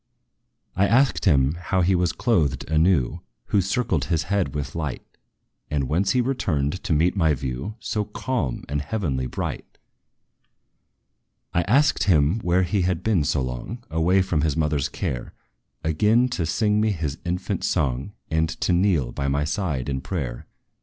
I asked him how he was clothed anew Who circled his head with light And whence he returned to meet my view So calm and heavenly bright. I asked him where he had been so long Away from his mother's care Again to sing me his infant song, And to kneel by my side in prayer.